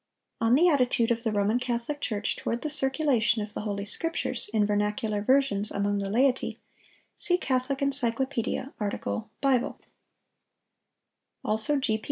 —On the attitude of the Roman Catholic Church toward the circulation of the Holy Scriptures, in vernacular versions, among the laity, see Catholic Encyclopædia, art. Bible; also G.